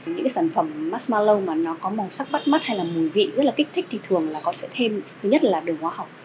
những sản phẩm marshmallow mà nó có màu sắc bắt mắt hay là mùi vị rất là kích thích thì thường là có sẽ thêm thứ nhất là đường hóa học